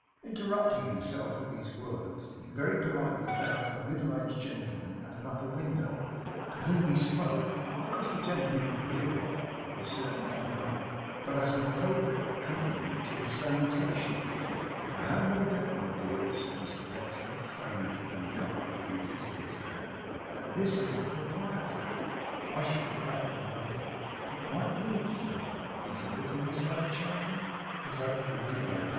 Interrupting himself with these words, he very politely bowed to a middle aged gentleman at an upper window, to whom he spoke not because the gentleman could hear him (for he certainly could not), but as an appropriate accompaniment to his salutation. 'I have no doubt, my dears,' said Mr Pecksniff, feigning to point out other beauties with his hand, 'that this is the proprietor. I should be glad to know him. It might lead to something. Is he looking this way, Charity?' 'He is opening the window pa!